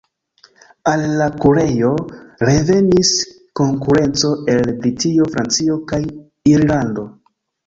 Al la kurejo revenis konkurenco el Britio, Francio kaj Irlando.